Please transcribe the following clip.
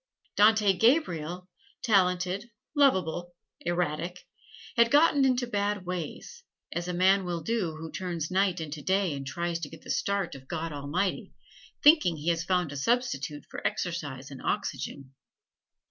Dante Gabriel, talented, lovable, erratic, had gotten into bad ways, as a man will who turns night into day and tries to get the start of God Almighty, thinking he has found a substitute for exercise and oxygen.